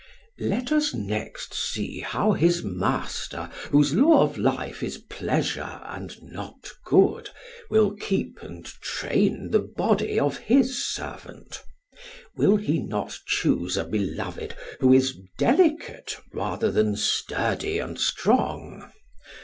Let us next see how his master, whose law of life is pleasure and not good, will keep and train the body of his servant. Will he not choose a beloved who is delicate rather than sturdy and strong?